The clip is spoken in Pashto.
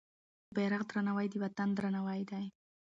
د بیرغ درناوی د وطن درناوی دی.